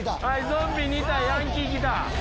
ゾンビ２体ヤンキー来た。